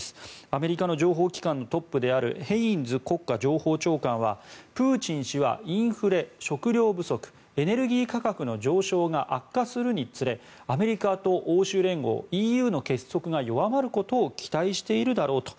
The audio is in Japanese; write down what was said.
アメリカの情報機関のトップであるヘインズ国家情報長官はプーチン氏はインフレ、食糧不足エネルギー価格の上昇が悪化するにつれ、アメリカと欧州連合・ＥＵの結束が弱まることを期待しているだろうと。